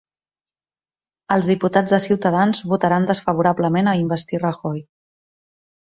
Els diputats de Ciutadans votaran desfavorablement a investir Rajoy